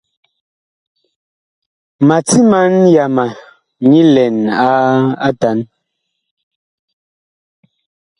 Ma timan yama nyi lɛn atan.